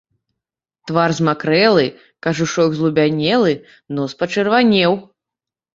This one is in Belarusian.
Твар замакрэлы, кажушок злубянелы, нос пачырванеў.